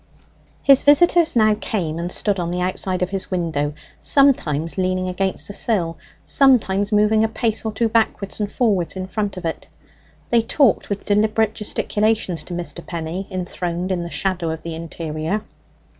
His visitors now came and stood on the outside of his window, sometimes leaning against the sill, sometimes moving a pace or two backwards and forwards in front of it. They talked with deliberate gesticulations to Mr. Penny, enthroned in the shadow of the interior.